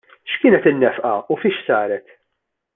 X'kienet in-nefqa u fiex saret?